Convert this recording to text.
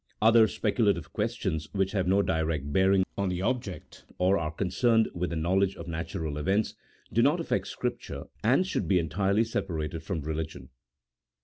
Other speculative questions, which have no direct bear ing on this object, or are concerned with the knowledge of natural events, do not affect Scripture, and should be entirely separated from religion.